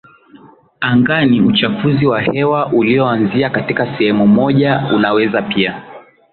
angani uchafuzi wa hewa ulioanzia katika sehemu moja unaweza pia